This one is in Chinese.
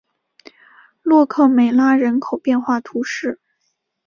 洛克梅拉人口变化图示